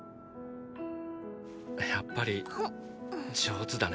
やっぱり上手だね。